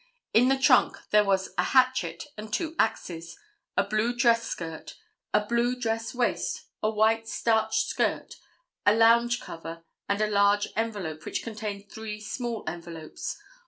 In the trunk there was a hatchet and two axes, a blue dress skirt, a blue dress waist, a white starched skirt, a lounge cover and a large envelope which contained three small envelopes.